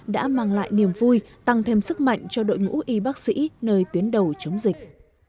đã mang lại niềm vui tăng thêm sức mạnh cho đội ngũ y bác sĩ nơi tuyến đầu chống dịch